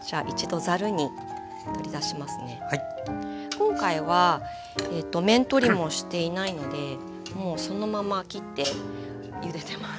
今回は面取りもしていないのでもうそのまま切ってゆでてます。